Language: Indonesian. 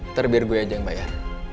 ntar biar gue ajang bayar